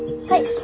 はい。